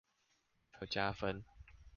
為求加分